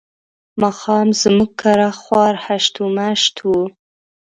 ماښام زموږ کره خوار هشت و مشت وو.